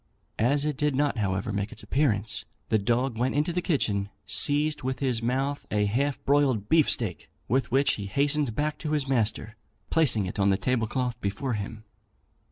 As it did not, however, make its appearance, the dog went into the kitchen, seized with his mouth a half broiled beefsteak, with which he hastened back to his master, placing it on the table cloth before him.